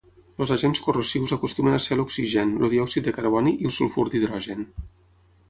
Els agents corrosius acostumen a ser l'oxigen, el diòxid de carboni i el sulfur d'hidrogen.